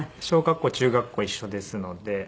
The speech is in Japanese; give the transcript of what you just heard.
小学校中学校一緒ですので。